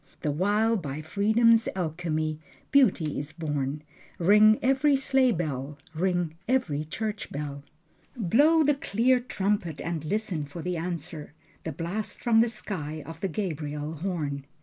The while, by freedom's alchemy Beauty is born. Ring every sleigh bell, ring every church bell, Blow the clear trumpet, and listen for the answer: The blast from the sky of the Gabriel horn.